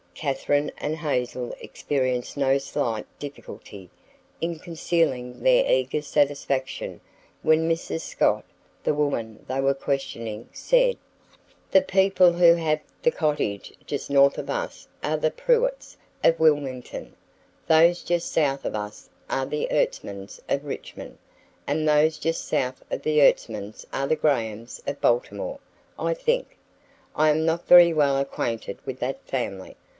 Katherine and Hazel experienced no slight difficulty in concealing their eager satisfaction when Mrs. Scott, the woman they were questioning, said: "The people who have the cottage just north of us are the Pruitts of Wilmington, those just south of us are the Ertsmans of Richmond, and those just south of the Ertsmans are the Grahams of Baltimore, I think. I am not very well acquainted with that family.